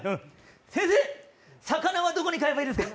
先生、魚はどこで飼えばいいですか？